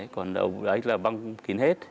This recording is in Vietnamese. còn đầu ấy là băng kín hết